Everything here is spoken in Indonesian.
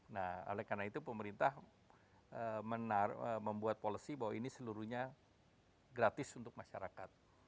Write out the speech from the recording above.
nah oleh karena itu pemerintah membuat policy bahwa ini seluruhnya gratis untuk masyarakat